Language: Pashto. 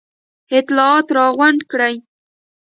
اطلاعات را غونډ کړي.